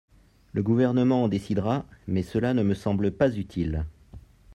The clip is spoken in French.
Le Gouvernement en décidera, mais cela ne me semble pas utile.